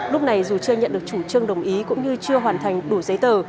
lúc này dù chưa nhận được chủ trương đồng ý cũng như chưa hoàn thành đủ giấy tờ